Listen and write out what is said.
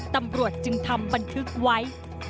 ตำรวจจึงทำบันทึกไว้